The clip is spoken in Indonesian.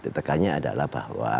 tetap tekannya adalah bahwa